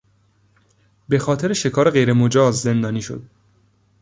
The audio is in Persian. بخاطر شکار غیرمجاز زندانی شد.